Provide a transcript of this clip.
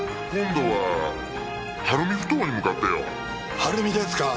晴海ですか？